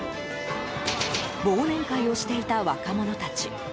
忘年会をしていた若者たち。